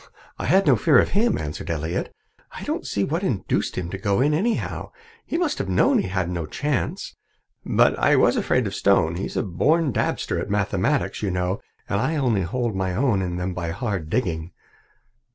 "Oh, I had no fear of him," answered Elliott. "I don't see what induced him to go in, anyhow. He must have known he'd no chance. But I was afraid of Stone he's a born dabster at mathematics, you know, and I only hold my own in them by hard digging."